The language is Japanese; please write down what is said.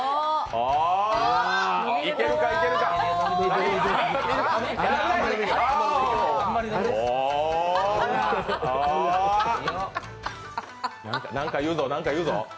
お何か言うぞ、何か言うぞ。